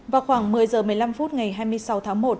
vào khoảng một mươi h một mươi năm phút ngày hai mươi sáu tháng một